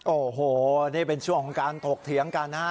โอ้โฮนี่เป็นช่วงการตกเถียงกาหน้า